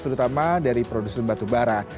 terutama dari produsen batubara